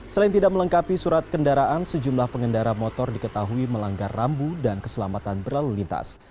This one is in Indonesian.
selain tidak melengkapi surat kendaraan sejumlah pengendara motor diketahui melanggar rambu dan keselamatan berlalu lintas